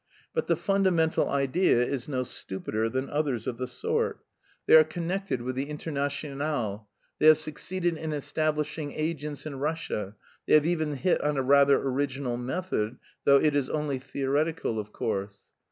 But the fundamental idea is no stupider than others of the sort. They are connected with the Internationale. They have succeeded in establishing agents in Russia, they have even hit on a rather original method, though it's only theoretical, of course.